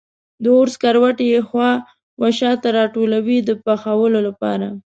د اور سکروټي یې خوا و شا ته راټولوي د پخولو لپاره.